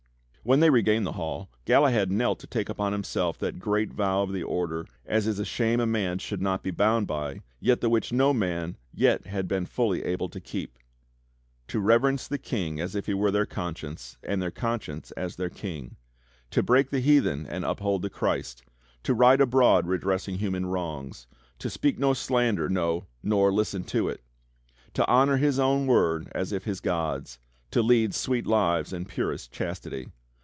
When they regained the hall, Galahad knelt to take upon him self that great vow of the Order "as is a shame a man should not be bound by, yet the which no man yet had been fully able to keep": "To reverence the King as if he were Their conscience, and their conscience as their King, To break the heathen and uphold the Christ, ' To ride abroad redressing human wrongs. To speak no slander, no, nor listen to it. 114 THE STORY OF KING ARTHUR To honor his own word as if his God's, To lead sweet lives in purest chastity.